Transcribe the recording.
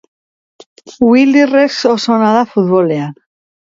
Willyrex oso ona da futbolan